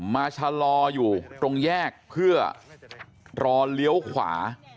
ชะลออยู่ตรงแยกเพื่อรอเลี้ยวขวา